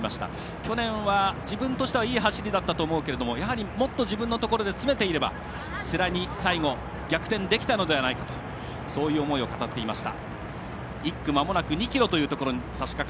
去年は自分としてはいい走りだと思うけどやはり、もっと自分のところで詰めていけば世羅に逆転できたのではないかとそういう思いを語っていました。